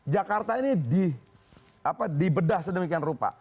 jakarta ini di bedah sedemikian rupa